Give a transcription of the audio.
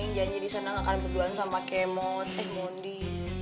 neng janji disana gak ada keguguran sama kemo eh mondis